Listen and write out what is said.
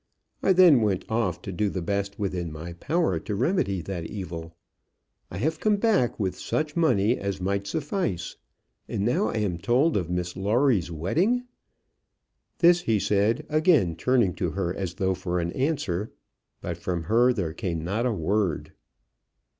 I then went off to do the best within my power to remedy that evil. I have come back with such money as might suffice, and now I am told of Miss Lawrie's wedding!" This he said, again turning to her as though for an answer. But from her there came not a word.